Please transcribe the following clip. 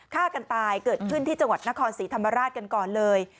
ฆ่ากันตายเกิดขึ้นที่จังหวัดนครศรีธรรมราชกันก่อนเลย